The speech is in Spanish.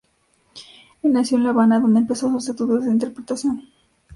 Nació en La Habana, donde empezó sus estudios de interpretación.